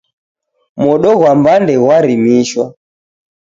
Modo ghwa mbande ghwarimishwa.